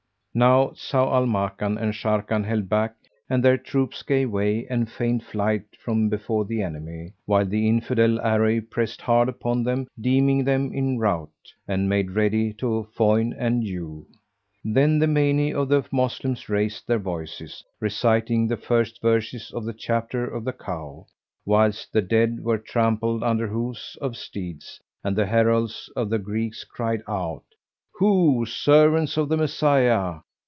Now Zau al Makan and Sharrkan held back and their troops gave way and feigned flight from before the enemy, while the Infidel array pressed hard upon them deeming them in rout, and made ready to foin and hew. Then the meiny of the Moslems raised their voices, reciting the first verses of the Chapter of the Cow,[FN#399] whilst the dead were trampled under hoofs of steeds, and the heralds of the Greeks cried out, "Ho, servants of the Messiah!